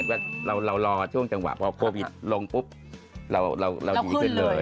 แต่พอดีจริงยังไงก็ขายได้